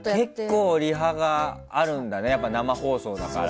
結構リハがあるんだね生放送だから。